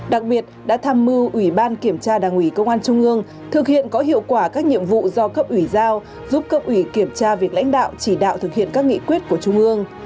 đặc biệt đã tham mưu ủy ban kiểm tra đảng ủy công an trung ương thực hiện có hiệu quả các nhiệm vụ do cấp ủy giao giúp cấp ủy kiểm tra việc lãnh đạo chỉ đạo thực hiện các nghị quyết của trung ương